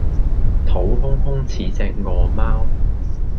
肚空空似隻餓貓